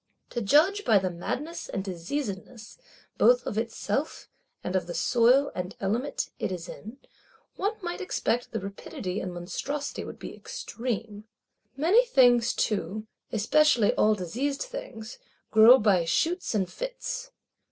To judge by the madness and diseasedness both of itself, and of the soil and element it is in, one might expect the rapidity and monstrosity would be extreme. Many things too, especially all diseased things, grow by shoots and fits.